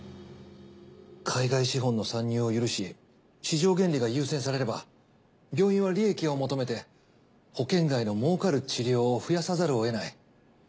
海外資本の参入を許し市場原理が優先されれば病院は利益を求めて保険外のもうかる治療を増やさざるをえない。